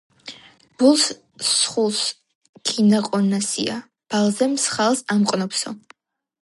ბულს სხულს გინაჸონასია."ბალზე მსხალს ამყნობსო."